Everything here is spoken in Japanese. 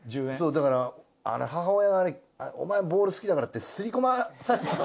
だから母親が「お前ボール好きだから」ってすり込まされてた。